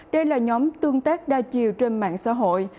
đây là nhóm tương tác đa chiều trên mạng xã hội